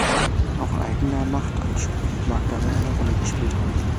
Auch eigener Machtanspruch mag dabei eine Rolle gespielt haben.